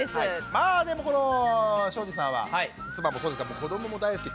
まあでもこの庄司さんは妻もそうですが子どもも大好き。